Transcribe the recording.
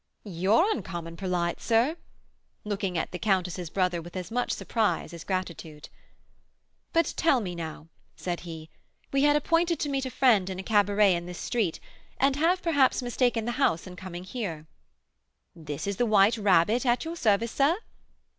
"You're uncommon purlite, sir," looking at the countess's brother with as much surprise as gratitude. "But tell me, now," said he; "we had appointed to meet a friend in a cabaret in this street, and have, perhaps, mistaken the house in coming here." "This is the 'White Rabbit,' at your service, sir."